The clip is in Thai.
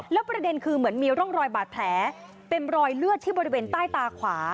แล้วประเด็นคือเหมือนมีร่องรอยบาดแผลเป็นรอยเลือดที่บริเวณใต้ตาขวา